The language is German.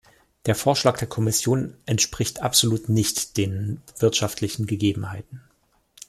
Der Vorschlag der Kommission entspricht absolut nicht den wirtschaftlichen Gegebenheiten.